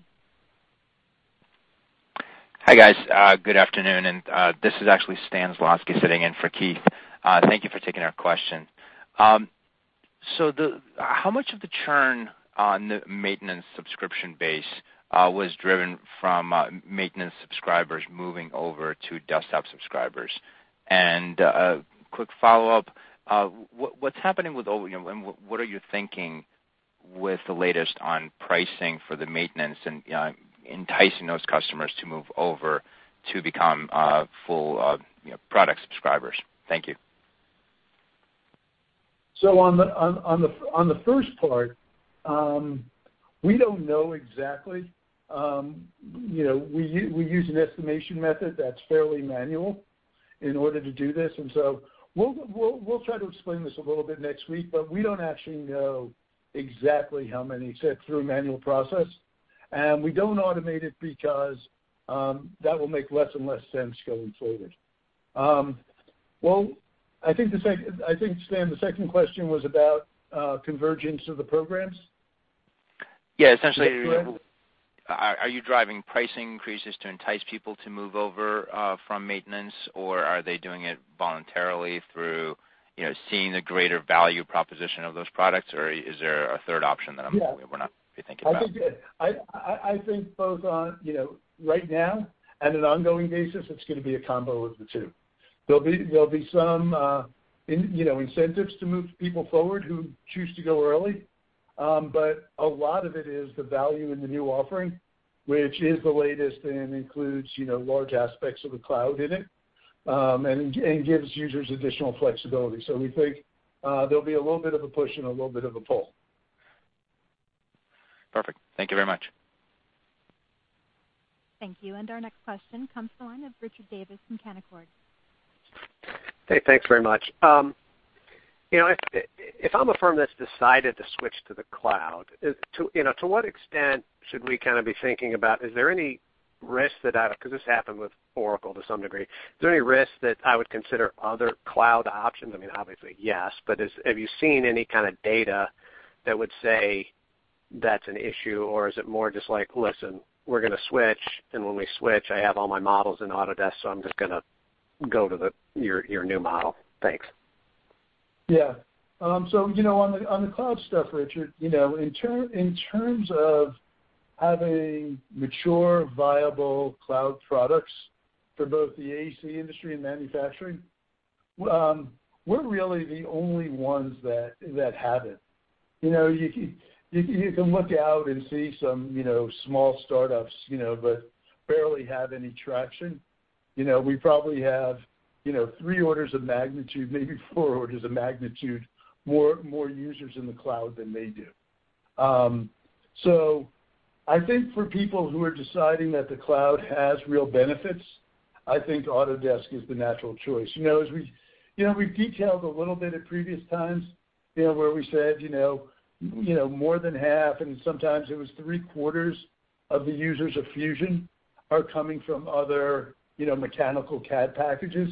Hi, guys. Good afternoon. This is actually Stan Zloski sitting in for Keith. Thank you for taking our question. How much of the churn on the maintenance subscription base was driven from maintenance subscribers moving over to desktop subscribers? A quick follow-up. What are you thinking with the latest on pricing for the maintenance and enticing those customers to move over to become full product subscribers? Thank you. On the first part, we don't know exactly. We use an estimation method that's fairly manual in order to do this, we'll try to explain this a little bit next week, but we don't actually know exactly how many except through a manual process. We don't automate it because that will make less and less sense going forward. Well, I think, Stan, the second question was about convergence of the programs? Yeah, essentially. Is that correct? Are you driving pricing increases to entice people to move over from maintenance, or are they doing it voluntarily through seeing the greater value proposition of those products, or is there a third option that I'm Yeah we're not thinking about? I think both right now and an ongoing basis, it's going to be a combo of the two. There'll be some incentives to move people forward who choose to go early. A lot of it is the value in the new offering, which is the latest and includes large aspects of the cloud in it, and gives users additional flexibility. We think, there'll be a little bit of a push and a little bit of a pull. Perfect. Thank you very much. Thank you. Our next question comes to the line of Richard Davis from Canaccord. Hey, thanks very much. If I'm a firm that's decided to switch to the cloud, to what extent should we be thinking about, because this happened with Oracle to some degree, is there any risk that I would consider other cloud options? I mean, obviously, yes, but have you seen any kind of data that would say that's an issue, or is it more just like, "Listen, we're going to switch, and when we switch, I have all my models in Autodesk, so I'm just going to go to your new model." Thanks. Yeah. On the cloud stuff, Richard, in terms of having mature, viable cloud products for both the AEC industry and manufacturing, we're really the only ones that have it. You can look out and see some small startups, but barely have any traction. We probably have three orders of magnitude, maybe four orders of magnitude, more users in the cloud than they do. I think for people who are deciding that the cloud has real benefits, I think Autodesk is the natural choice. We've detailed a little bit at previous times where we said more than half, and sometimes it was three-quarters of the users of Fusion are coming from other mechanical CAD packages.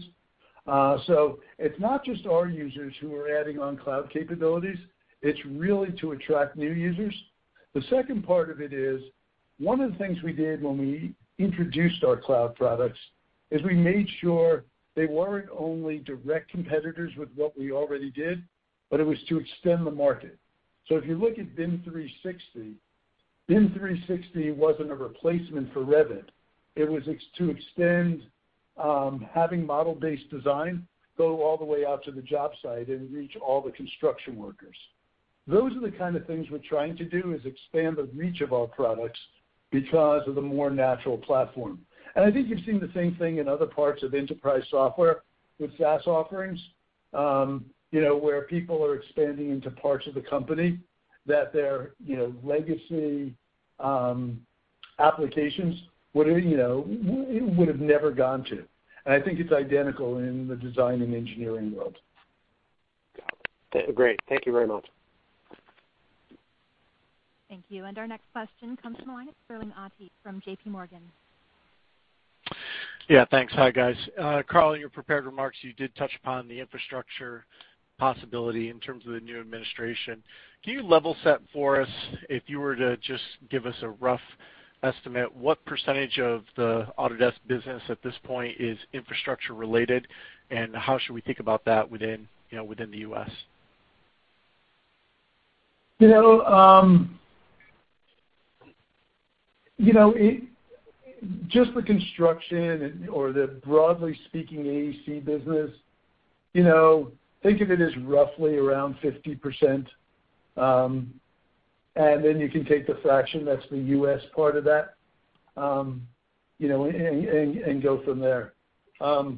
It's not just our users who are adding on cloud capabilities. It's really to attract new users. The second part of it is, one of the things we did when we introduced our cloud products is we made sure they weren't only direct competitors with what we already did, but it was to extend the market. If you look at BIM 360, BIM 360 wasn't a replacement for Revit. It was to extend having model-based design go all the way out to the job site and reach all the construction workers. Those are the kind of things we're trying to do, is expand the reach of our products because of the more natural platform. I think you've seen the same thing in other parts of enterprise software with SaaS offerings, where people are expanding into parts of the company that their legacy applications would've never gone to. I think it's identical in the design and engineering world. Got it. Great. Thank you very much. Thank you. Our next question comes from the line of Sterling Auty from JP Morgan. Yeah, thanks. Hi, guys. Carl, in your prepared remarks, you did touch upon the infrastructure possibility in terms of the new administration. Can you level set for us if you were to just give us a rough estimate, what % of the Autodesk business at this point is infrastructure related, and how should we think about that within the U.S.? Just the construction or the broadly speaking AEC business, think of it as roughly around 50%, then you can take the fraction that's the U.S. part of that, and go from there. Of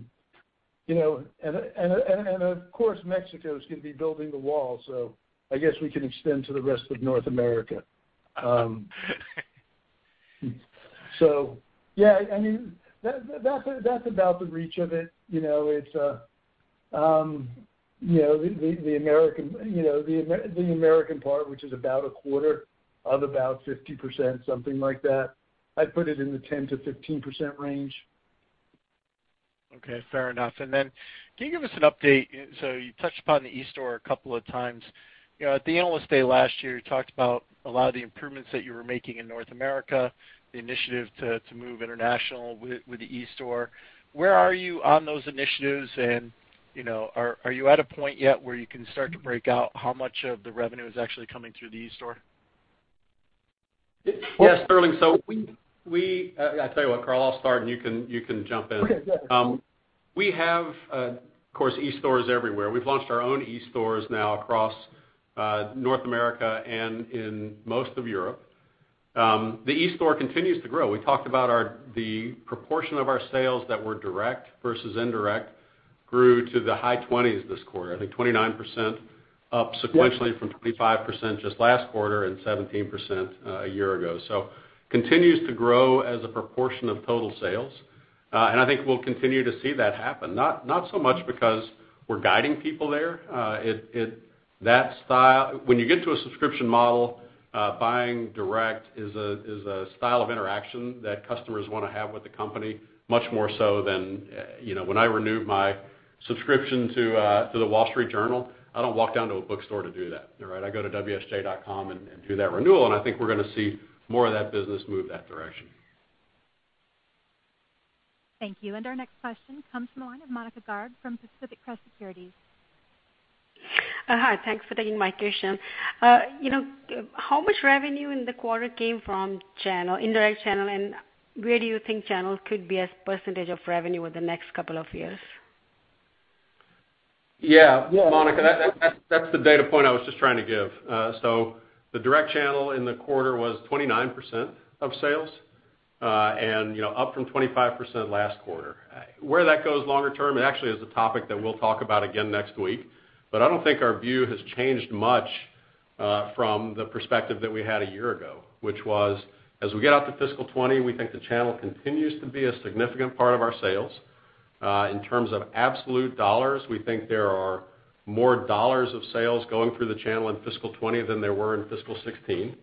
course, Mexico is going to be building the wall, so I guess we can extend to the rest of North America. Yeah. That's about the reach of it. The American part, which is about a quarter of about 50%, something like that, I'd put it in the 10%-15% range. Okay, fair enough. Then can you give us an update? You touched upon the eStore a couple of times. At the analyst day last year, you talked about a lot of the improvements that you were making in North America, the initiative to move international with the eStore. Where are you on those initiatives, and are you at a point yet where you can start to break out how much of the revenue is actually coming through the eStore? Yes, Sterling. I tell you what, Carl, I'll start, and you can jump in. Okay. Go ahead. We have, of course, eStores everywhere. We've launched our own eStores now across North America and in most of Europe. The eStore continues to grow. We talked about the proportion of our sales that were direct versus indirect grew to the high 20s this quarter. I think 29% up sequentially from 25% just last quarter and 17% a year ago. Continues to grow as a proportion of total sales. I think we'll continue to see that happen, not so much because we're guiding people there. When you get to a subscription model, buying direct is a style of interaction that customers want to have with the company much more so than when I renew my subscription to the Wall Street Journal, I don't walk down to a bookstore to do that. I go to wsj.com and do that renewal, and I think we're going to see more of that business move that direction. Thank you. Our next question comes from the line of Monika Garg from Pacific Crest Securities. Hi. Thanks for taking my question. How much revenue in the quarter came from indirect channel, and where do you think channels could be as a % of revenue over the next couple of years? Yeah. Monika, that's the data point I was just trying to give. The direct channel in the quarter was 29% of sales, and up from 25% last quarter. Where that goes longer term, it actually is a topic that we'll talk about again next week, but I don't think our view has changed much from the perspective that we had a year ago, which was as we get out to FY 2020, we think the channel continues to be a significant part of our sales. In terms of absolute dollars, we think there are more dollars of sales going through the channel in FY 2020 than there were in FY 2016.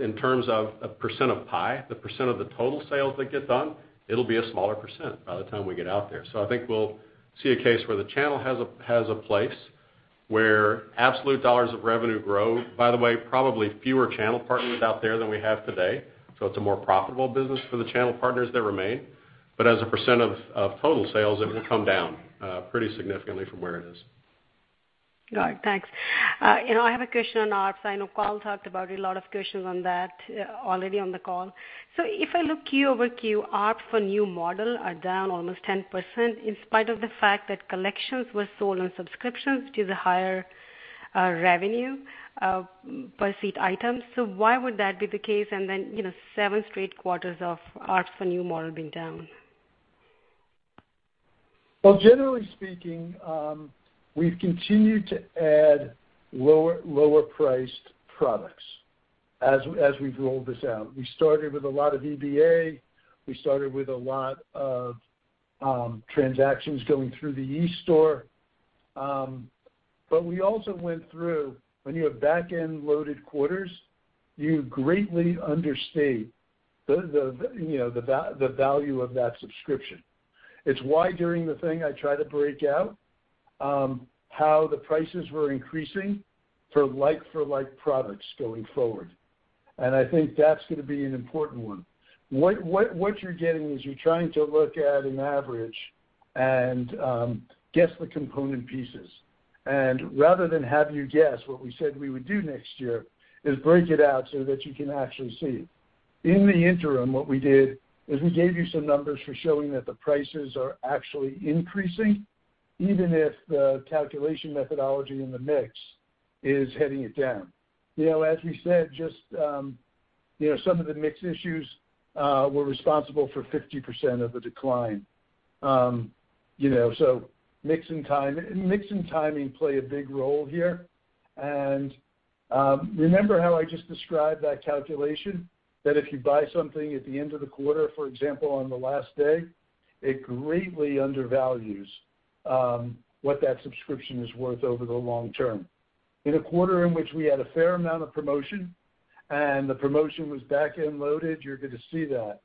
In terms of a % of pie, the % of the total sales that get done, it'll be a smaller % by the time we get out there. I think we'll see a case where the channel has a place where absolute dollars of revenue grow, by the way, probably fewer channel partners out there than we have today, so it's a more profitable business for the channel partners that remain. As a % of total sales, it will come down pretty significantly from where it is. All right. Thanks. I have a question on ARPS. I know Carl talked about a lot of questions on that already on the call. If I look Q over Q, ARPS for new model are down almost 10% in spite of the fact that collections were sold on subscriptions, which is a higher revenue per seat items. Why would that be the case? Seven straight quarters of ARPS for new model being down. Well, generally speaking, we've continued to add lower-priced products as we've rolled this out. We started with a lot of EBA. We started with a lot of transactions going through the eStore. We also went through, when you have back-end loaded quarters, you greatly understate the value of that subscription. It's why during the thing I try to break out how the prices were increasing for like-for-like products going forward. I think that's going to be an important one. What you're getting is you're trying to look at an average and guess the component pieces. Rather than have you guess what we said we would do next year is break it out so that you can actually see. In the interim, what we did is we gave you some numbers for showing that the prices are actually increasing, even if the calculation methodology in the mix is heading it down. As we said, some of the mix issues were responsible for 50% of the decline. Mix and timing play a big role here. Remember how I just described that calculation, that if you buy something at the end of the quarter, for example, on the last day, it greatly undervalues what that subscription is worth over the long term. In a quarter in which we had a fair amount of promotion, and the promotion was back-end loaded, you're going to see that.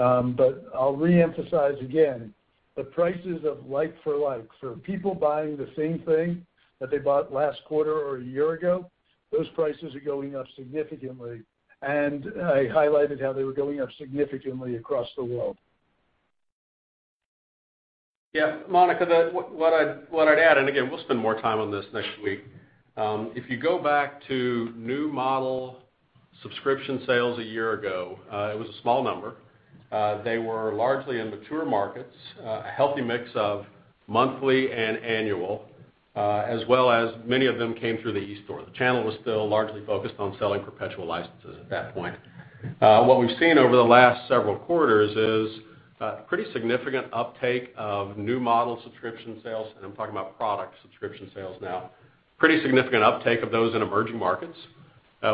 I'll reemphasize again, the prices of like for like, so people buying the same thing that they bought last quarter or a year ago, those prices are going up significantly, and I highlighted how they were going up significantly across the world. Yeah, Monika, what I'd add, and again, we'll spend more time on this next week. If you go back to new model subscription sales a year ago, it was a small number. They were largely in mature markets, a healthy mix of monthly and annual, as well as many of them came through the eStore. The channel was still largely focused on selling perpetual licenses at that point. What we've seen over the last several quarters is a pretty significant uptake of new model subscription sales, and I'm talking about product subscription sales now. Pretty significant uptake of those in emerging markets,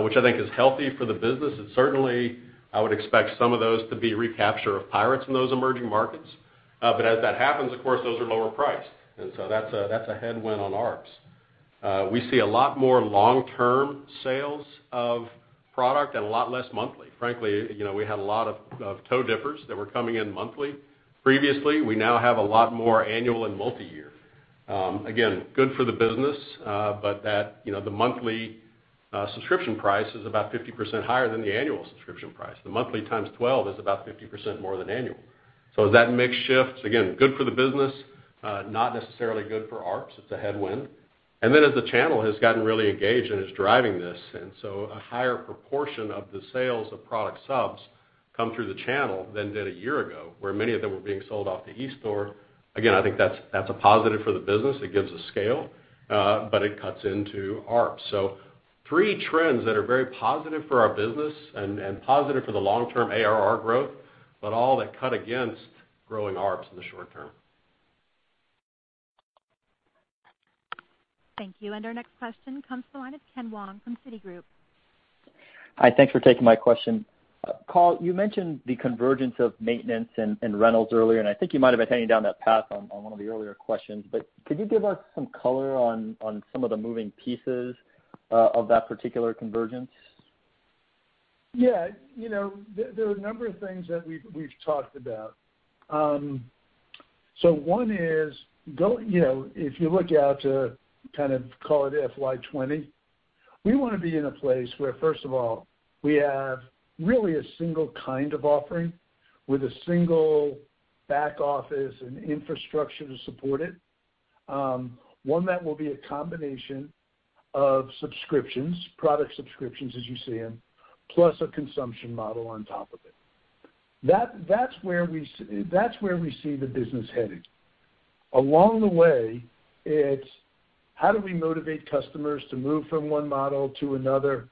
which I think is healthy for the business, and certainly I would expect some of those to be recapture of pirates in those emerging markets. As that happens, of course, those are lower priced. That's a headwind on ARPS. We see a lot more long-term sales of product and a lot less monthly. Frankly, we had a lot of toe dippers that were coming in monthly previously. We now have a lot more annual and multi-year. Again, good for the business, but the monthly subscription price is about 50% higher than the annual subscription price. The monthly times 12 is about 50% more than annual. As that mix shifts, again, good for the business, not necessarily good for ARPS. It's a headwind. As the channel has gotten really engaged and is driving this, a higher proportion of the sales of product subs come through the channel than did a year ago, where many of them were being sold off the eStore. Again, I think that's a positive for the business. It gives a scale, but it cuts into ARPS. Three trends that are very positive for our business and positive for the long-term ARR growth, but all that cut against growing ARPS in the short term. Thank you. Our next question comes from the line of Ken Wong from Citigroup. Hi, thanks for taking my question. Carl, you mentioned the convergence of maintenance and rentals earlier, and I think you might have been heading down that path on one of the earlier questions, but could you give us some color on some of the moving pieces of that particular convergence? Yeah. There are a number of things that we've talked about. One is, if you look out to kind of call it FY 2020, we want to be in a place where, first of all, we have really a single kind of offering with a single back office and infrastructure to support it. One that will be a combination of subscriptions, product subscriptions as you see them, plus a consumption model on top of it. That's where we see the business headed. Along the way, it's how do we motivate customers to move from one model to another?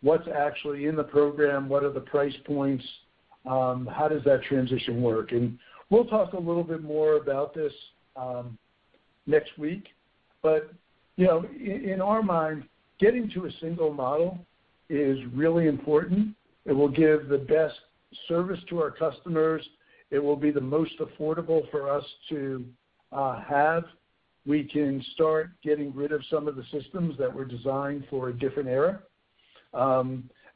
What's actually in the program? What are the price points? How does that transition work? We'll talk a little bit more about this next week. In our mind, getting to a single model is really important. It will give the best service to our customers. It will be the most affordable for us to have. We can start getting rid of some of the systems that were designed for a different era,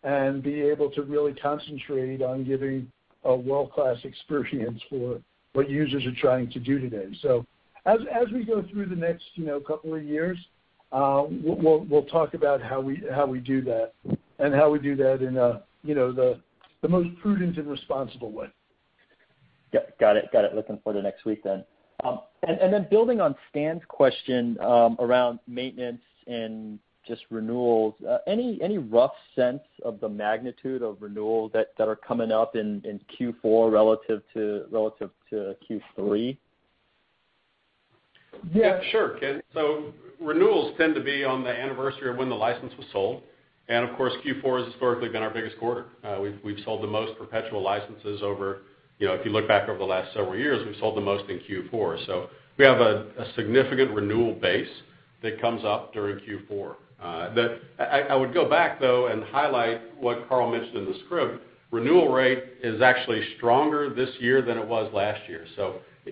and be able to really concentrate on giving a world-class experience for what users are trying to do today. As we go through the next couple of years, we'll talk about how we do that and how we do that in the most prudent and responsible way. Yep. Got it. Looking forward to next week. Building on Stan's question around maintenance and just renewals, any rough sense of the magnitude of renewals that are coming up in Q4 relative to Q3? Yeah. Sure, Ken. Renewals tend to be on the anniversary of when the license was sold. Of course, Q4 has historically been our biggest quarter. We've sold the most perpetual licenses over, if you look back over the last several years, we've sold the most in Q4. We have a significant renewal base that comes up during Q4. I would go back, though, and highlight what Carl mentioned in the script. Renewal rate is actually stronger this year than it was last year.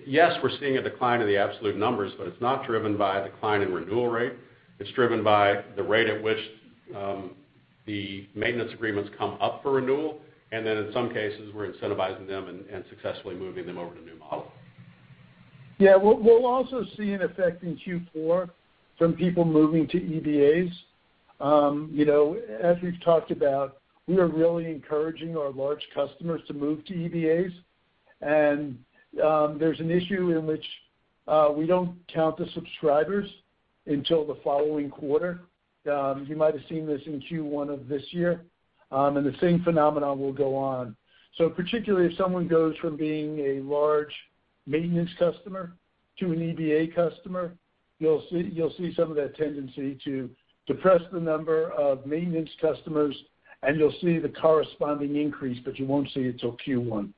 Yes, we're seeing a decline in the absolute numbers, but it's not driven by a decline in renewal rate. It's driven by the rate at which the maintenance agreements come up for renewal. In some cases, we're incentivizing them and successfully moving them over to new model. Yeah. We'll also see an effect in Q4 from people moving to EBAs. As we've talked about, we are really encouraging our large customers to move to EBAs. There's an issue in which we don't count the subscribers until the following quarter. You might have seen this in Q1 of this year. The same phenomenon will go on. Particularly if someone goes from being a large maintenance customer to an EBA customer, you'll see some of that tendency to depress the number of maintenance customers, and you'll see the corresponding increase, but you won't see it till Q1.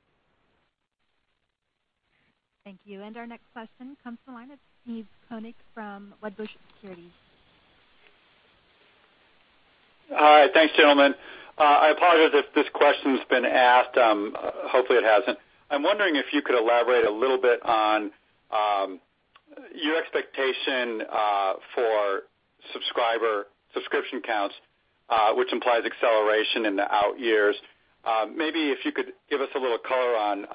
Thank you. Our next question comes to the line of Steve Koenig from Wedbush Securities. All right. Thanks, gentlemen. I apologize if this question's been asked. Hopefully, it hasn't. I'm wondering if you could elaborate a little bit on your expectation for subscription counts which implies acceleration in the out years. Maybe if you could give us a little color on,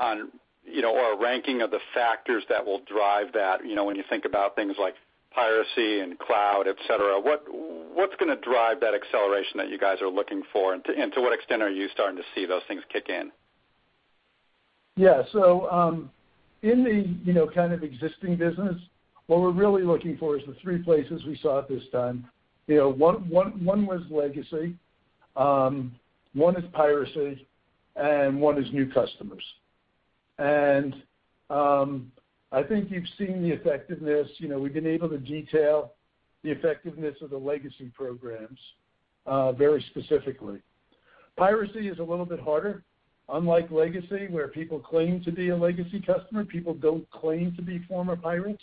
or a ranking of the factors that will drive that, when you think about things like piracy and cloud, et cetera, what's going to drive that acceleration that you guys are looking for, and to what extent are you starting to see those things kick in? Yeah. In the kind of existing business, what we're really looking for is the three places we saw it this time. One was legacy, one is piracy, and one is new customers. I think you've seen the effectiveness. We've been able to detail the effectiveness of the legacy programs very specifically. Piracy is a little bit harder. Unlike legacy, where people claim to be a legacy customer, people don't claim to be former pirates,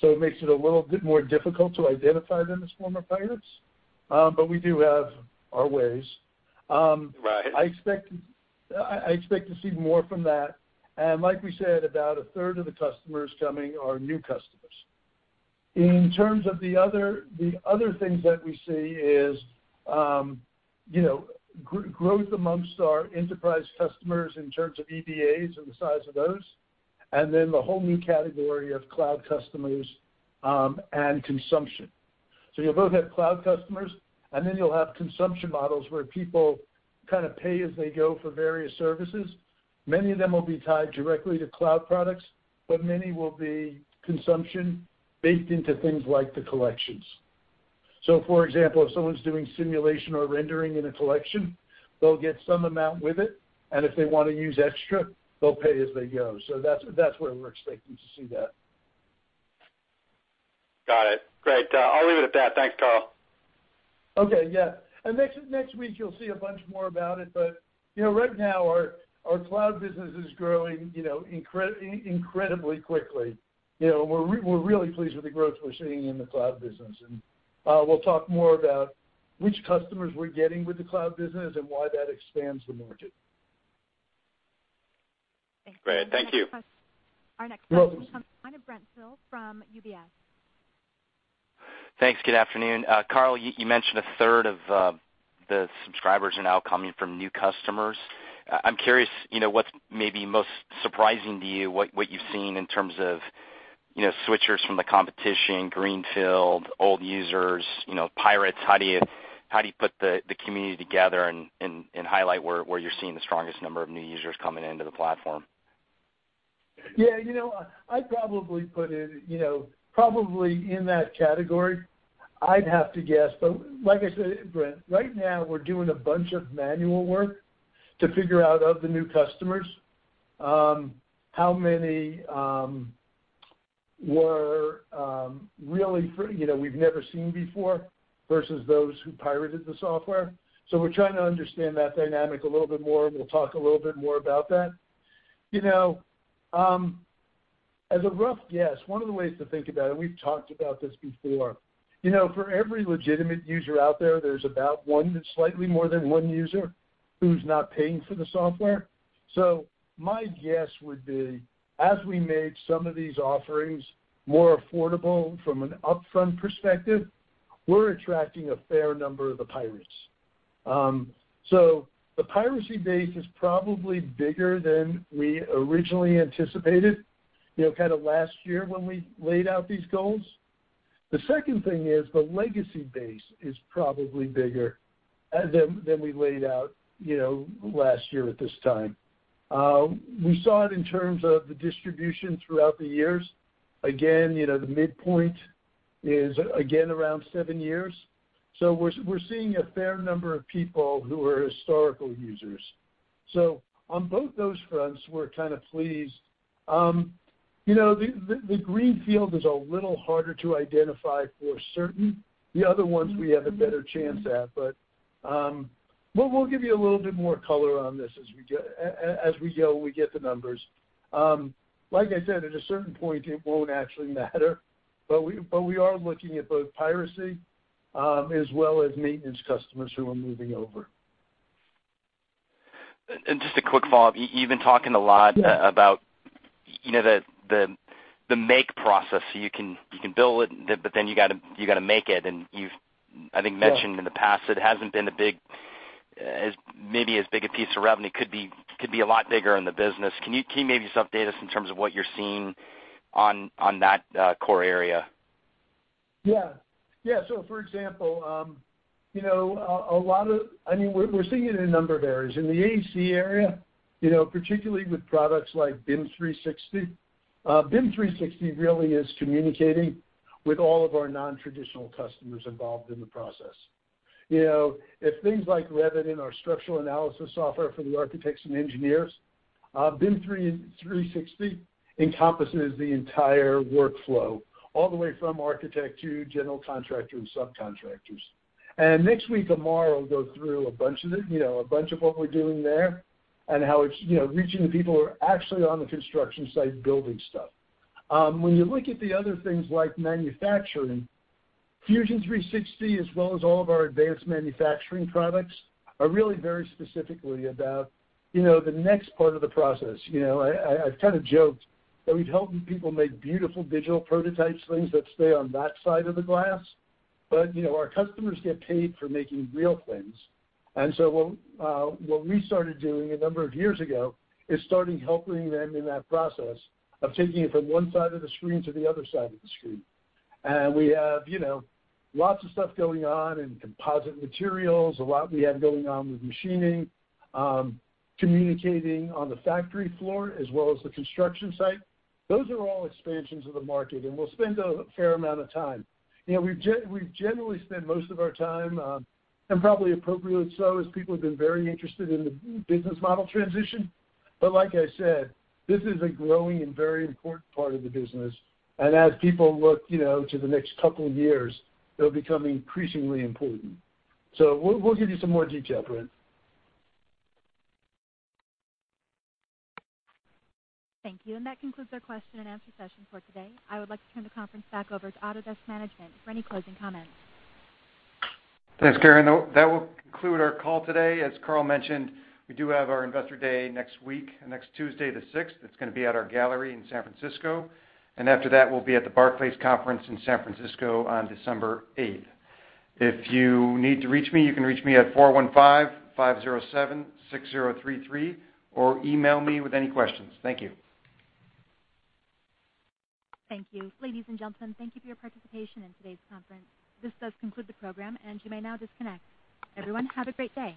so it makes it a little bit more difficult to identify them as former pirates. We do have our ways. Right. I expect to see more from that. Like we said, about a third of the customers coming are new customers. In terms of the other things that we see is growth amongst our enterprise customers in terms of EBAs and the size of those, and then the whole new category of cloud customers, and consumption. You'll both have cloud customers, and then you'll have consumption models where people kind of pay as they go for various services. Many of them will be tied directly to cloud products, but many will be consumption baked into things like the collections. For example, if someone's doing simulation or rendering in a collection, they'll get some amount with it, and if they want to use extra, they'll pay as they go. That's where we're expecting to see that. Got it. Great. I'll leave it at that. Thanks, Carl. Okay. Yeah. Next week, you'll see a bunch more about it. Right now, our cloud business is growing incredibly quickly. We're really pleased with the growth we're seeing in the cloud business. We'll talk more about which customers we're getting with the cloud business and why that expands the margin. Great. Thank you. Our next question comes from Brent Thill from UBS. Thanks. Good afternoon. Carl, you mentioned a third of the subscribers are now coming from new customers. I'm curious what's maybe most surprising to you, what you've seen in terms of switchers from the competition, greenfield, old users, pirates. How do you put the community together and highlight where you're seeing the strongest number of new users coming into the platform? Yeah. I'd probably put it probably in that category, I'd have to guess. Like I said, Brent, right now we're doing a bunch of manual work to figure out, of the new customers, how many we've never seen before versus those who pirated the software. We're trying to understand that dynamic a little bit more, and we'll talk a little bit more about that. As a rough guess, one of the ways to think about it, we've talked about this before, for every legitimate user out there's about one to slightly more than one user who's not paying for the software. My guess would be, as we made some of these offerings more affordable from an upfront perspective, we're attracting a fair number of the pirates. The piracy base is probably bigger than we originally anticipated last year when we laid out these goals. The second thing is the legacy base is probably bigger than we laid out last year at this time. We saw it in terms of the distribution throughout the years. Again, the midpoint is around seven years. We're seeing a fair number of people who are historical users. On both those fronts, we're kind of pleased. The greenfield is a little harder to identify for certain. The other ones we have a better chance at. We'll give you a little bit more color on this as we go, we get the numbers. Like I said, at a certain point, it won't actually matter, but we are looking at both piracy as well as maintenance customers who are moving over. Just a quick follow-up. You've been talking a lot about the make process. You can build it, you got to make it. You've, I think, mentioned in the past it hasn't been maybe as big a piece of revenue, could be a lot bigger in the business. Can you maybe just update us in terms of what you're seeing on that core area? For example, we're seeing it in a number of areas. In the AEC area, particularly with products like BIM 360. BIM 360 really is communicating with all of our non-traditional customers involved in the process. If things like Revit in our structural analysis software for the architects and engineers, BIM 360 encompasses the entire workflow, all the way from architect to general contractor and subcontractors. Next week, Amar will go through a bunch of it, a bunch of what we're doing there and how it's reaching the people who are actually on the construction site building stuff. When you look at the other things like manufacturing, Fusion 360 as well as all of our advanced manufacturing products are really very specifically about the next part of the process. I've kind of joked that we've helped people make beautiful digital prototypes, things that stay on that side of the glass, our customers get paid for making real things. What we started doing a number of years ago is starting helping them in that process of taking it from one side of the screen to the other side of the screen. We have lots of stuff going on in composite materials, a lot we have going on with machining, communicating on the factory floor as well as the construction site. Those are all expansions of the market, we'll spend a fair amount of time. We've generally spent most of our time, and probably appropriately so, as people have been very interested in the business model transition. Like I said, this is a growing and very important part of the business, and as people look to the next couple of years, it'll become increasingly important. We'll give you some more detail, Brent. Thank you. That concludes our question and answer session for today. I would like to turn the conference back over to Autodesk management for any closing comments. Thanks, Karen. That will conclude our call today. As Carl mentioned, we do have our investor day next week, next Tuesday the 6th. It's going to be at our gallery in San Francisco. After that, we'll be at the Barclays Conference in San Francisco on December 8th. If you need to reach me, you can reach me at 415-507-6033 or email me with any questions. Thank you. Thank you. Ladies and gentlemen, thank you for your participation in today's conference. This does conclude the program, and you may now disconnect. Everyone, have a great day.